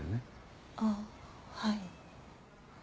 あっはい。